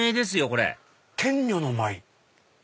これ「天女の舞」。